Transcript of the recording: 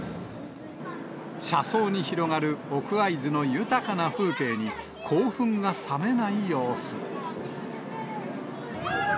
車窓に広がる奥会津の豊かな風景に、興奮が冷めない様子。